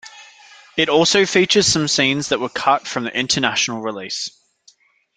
It also features some scenes that were cut from the international release.